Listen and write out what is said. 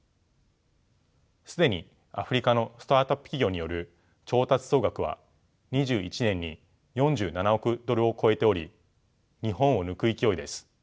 既にアフリカのスタートアップ企業による調達総額は２１年に４７億ドルを超えており日本を抜く勢いです。